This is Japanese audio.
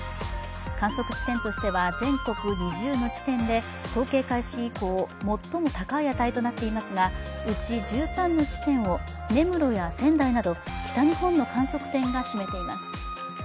観測地点としては全国２０の地点で統計開始以降最も高い値となっていますがうち１３の地点を根室や仙台など北日本の観測点が占めています。